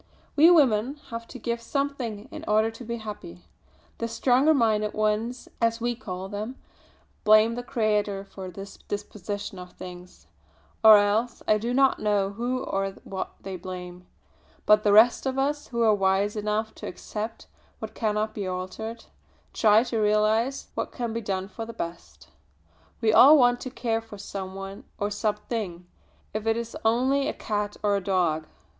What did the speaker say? We women have to give something in order to be happy. The stronger minded ones, as we call them, blame the Creator for this disposition of things or else I do not know who or what they blame; but the rest of us, who are wise enough to accept what cannot be altered, try to realise what can be done for the best. We all want to care for some one or something, if it is only a cat or a dog.